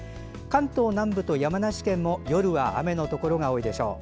関東南部と山梨県も夜は雨のところが多いでしょう。